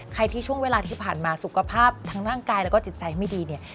ที่ช่วงเวลาที่ผ่านมาสุขภาพทั้งร่างกายแล้วก็จิตใจไม่ดีเนี่ย